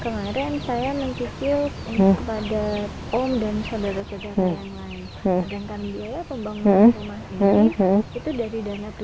kemarin saya mencicil ini kepada om dan saudara saudara yang lain